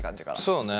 そうね。